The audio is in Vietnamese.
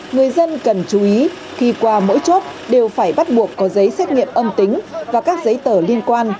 người dân cần chú ý khi qua mỗi chốt đều phải bắt buộc có giấy xét nghiệm âm tính và các giấy tờ liên quan